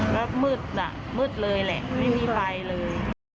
ก็มืดน่ะมืดเลยแหละไม่มีไฟเลย